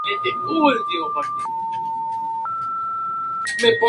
Robertson en la Antártida.